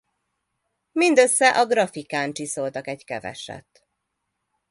Mindössze a grafikán csiszoltak egy keveset.